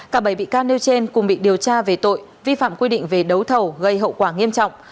cả bảy bị can nêu trên cùng bị điều tra về tội vi phạm quy định về đấu thầu gây hậu quả nghiêm trọng